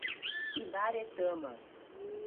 Ibaretama